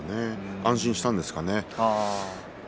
安心したんですかね。